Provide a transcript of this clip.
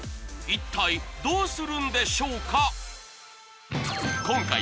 一体どうするんでしょうか？